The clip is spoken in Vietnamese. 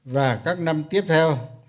và các năm tiếp theo